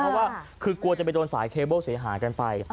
เพราะว่าคือกลัวจะไปโดนสายเคเบิ้ลเสียหายกันไป